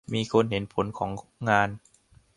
มีคนเห็นผลของงาน